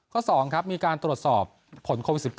๒ครับมีการตรวจสอบผลโควิด๑๙